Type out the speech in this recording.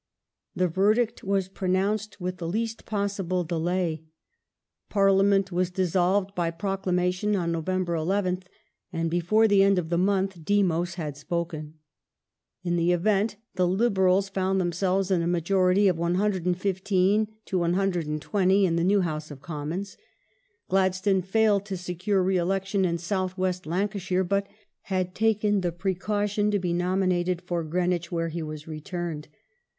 The verdict was pronounced with the least possible delay. General Parliament was dissolved by proclamation on November 11th, and of ^iggg before the end of the month Demos had spoken. In the event, the Liberals found themselves in a majority of 115 120 in the new House of Commons.^ Gladstone failed to secure re election in South West Lancashire, but had taken the precautionjto be nomin ated for Greenwich, where he was returned.